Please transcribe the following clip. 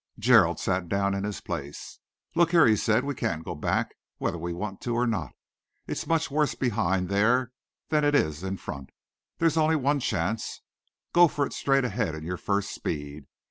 Gerald sat down in his place. "Look here," he said, "we can't go back, whether we want to or not. It's much worse behind there than it is in front. There's only one chance. Go for it straight ahead in your first speed.